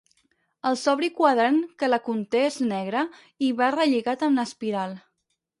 El sobri quadern que la conté és negre i va relligat en espiral.